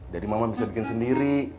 jadi mama bisa bikin sendiri